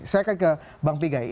saya akan ke bang vigai